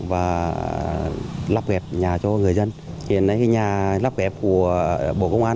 và lắp ghép nhà cho người dân hiện nay nhà lắp ghép của bộ công an